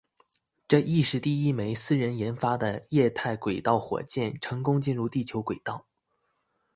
这亦是第一枚私人研发的液态轨道火箭成功进入地球轨道。